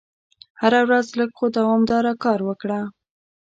هره ورځ لږ خو دوامداره کار وکړه.